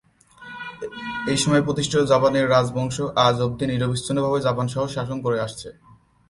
এই সময়ে প্রতিষ্ঠিত জাপানের রাজবংশ আজ অবধি নিরবচ্ছিন্নভাবে জাপান শাসন করে আসছে।